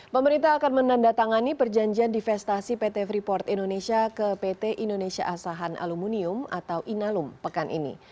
pemerintah akan menandatangani perjanjian divestasi pt freeport indonesia ke pt indonesia asahan aluminium atau inalum pekan ini